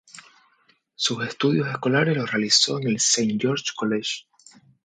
Sus estudios escolares los realizó en el Saint George's College.